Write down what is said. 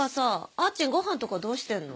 あーちんごはんとかどうしてるの？